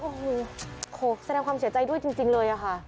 โอ้โหขอแสดงความเสียใจด้วยจริงเลยอะค่ะ